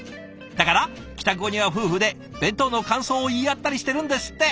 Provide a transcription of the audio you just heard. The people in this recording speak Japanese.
だから帰宅後には夫婦で弁当の感想を言い合ったりしてるんですって。